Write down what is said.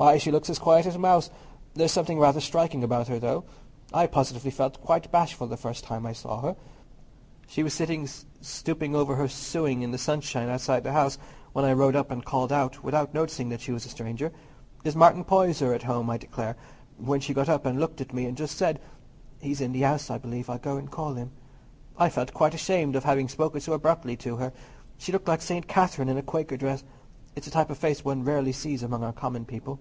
"Why, she looks as quiet as a mouse. There's something rather striking about her, though. I positively felt quite bashful the first time I saw her—she was sitting stooping over her sewing in the sunshine outside the house, when I rode up and called out, without noticing that she was a stranger, 'Is Martin Poyser at home?' I declare, when she got up and looked at me and just said, 'He's in the house, I believe: I'll go and call him,' I felt quite ashamed of having spoken so abruptly to her. She looked like St. Catherine in a Quaker dress. It's a type of face one rarely sees among our common people."